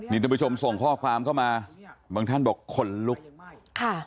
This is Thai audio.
นี่ท่านผู้ชมส่งข้อความเข้ามาบางท่านบอกขนลุกค่ะ